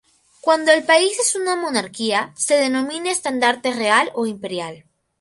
Cuando el país es una monarquía, se denomina estandarte real o imperial.